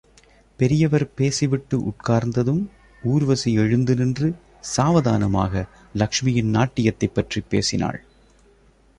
பெரியவர் பேசிவிட்டு உட்கார்ந்ததும் ஊர்வசி எழுந்து நின்று, சாவதானமாக, லக்ஷ்மியின் நாட்டியத்தைப் பற்றிப் பேசினாள்.